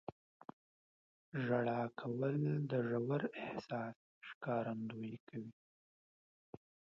• ژړا کول د ژور احساس ښکارندویي کوي.